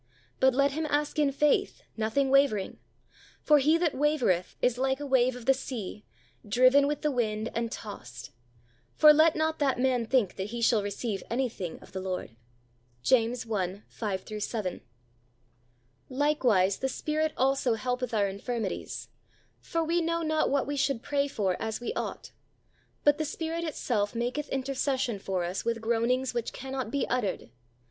But let him ask in faith, nothing wavering. For he that wavereth is like a wave of the sea, driven with the wind and tossed. For let not that man think that he shall receive anything of the Lord. JAMES i.5 7. Likewise the Spirit also helpeth our infirmities: for we know not what we should pray for as we ought: but the Spirit itself maketh intercession for us with groanings which cannot be uttered.